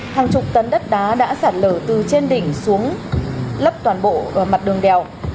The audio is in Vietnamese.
hàng chục tấn đất đá đã sạt lở từ trên đỉnh xuống lấp toàn bộ mặt đường đèo